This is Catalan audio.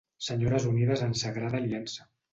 Senyores unides en sagrada aliança.